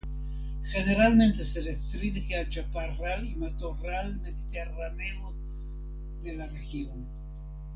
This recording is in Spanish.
Generalmente se restringe al chaparral y matorral mediterráneo de la región.